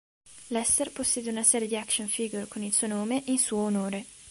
Lester possiede una serie di "action figure" con il suo nome in suo onore.